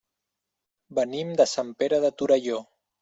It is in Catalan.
Venim de Sant Pere de Torelló.